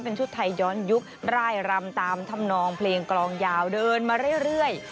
เป็นชุดไทยย้อนยุคร่ายรำตามธรรมนองเพลงกลองยาวเดินมาเรื่อย